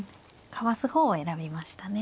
かわす方を選びましたね。